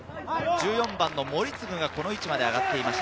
１４番の森次がこの位置まで上がっていました。